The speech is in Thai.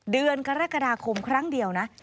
เดือนกรกฎาคมครั้งเดียวนะ